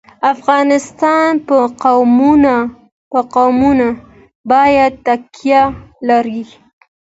افغانستان په قومونه باندې تکیه لري.